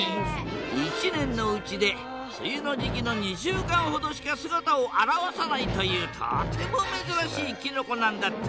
一年のうちで梅雨の時期の２週間ほどしか姿を現さないというとてもめずらしいキノコなんだって。